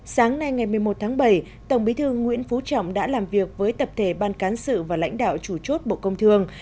sáng nay ngày một mươi một tháng bảy tổng bí thư nguyễn phú trọng đã làm việc với tập thể ban cán sự và lãnh đạo chủ chốt bộ công thương